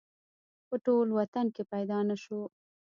په ټول وطن کې پیدا نه شو